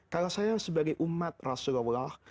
kalau saya sebagai umat rasulullah